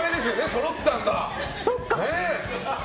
そろったんだ。